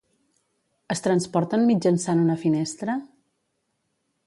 Es transporten mitjançant una finestra?